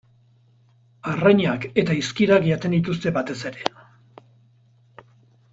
Arrainak eta izkirak jaten dituzte batez ere.